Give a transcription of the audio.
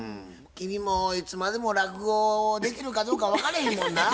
君もいつまでも落語をできるかどうか分かれへんもんなぁ。